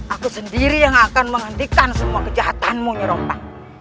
aku sendiri yang akan menghentikan semua kejahatanmu nyi rompa